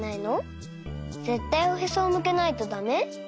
ぜったいおへそをむけないとだめ？